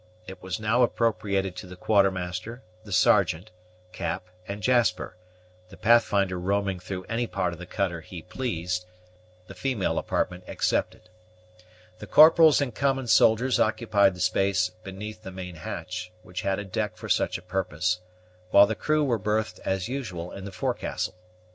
It was now appropriated to the Quartermaster, the Sergeant, Cap, and Jasper; the Pathfinder roaming through any part of the cutter he pleased, the female apartment excepted. The corporals and common soldiers occupied the space beneath the main hatch, which had a deck for such a purpose, while the crew were berthed, as usual, in the forecastle.